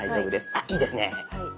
あっいいですね！